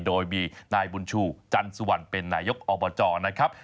โดยมีนายบุญชูจันสุวรรณเป็นนายกอบจนะครับ